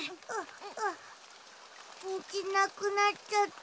にじなくなっちゃった。